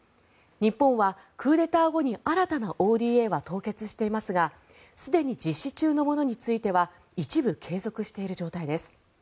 日本はクーデター後に新たなＯＤＡは凍結していますがすでに実施中のものについては一部継続している状態です。